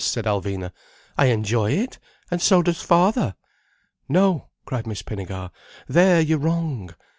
said Alvina. "I enjoy it—and so does father." "No," cried Miss Pinnegar. "There you're wrong!